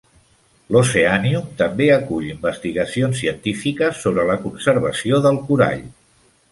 L'Oceanium també acull investigacions científiques sobre la conservació del corall.